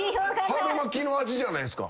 春巻きの味じゃないっすか。